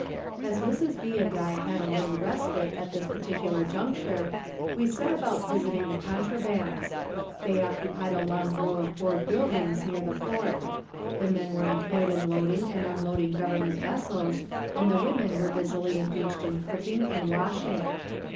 As Mrs. B. and I had a little respite at this particular juncture, we set about visiting the contrabands. They occupied a long row of board buildings near the fort. The men were employed in loading and unloading Government vessels, and the women were busily engaged in cooking and washing.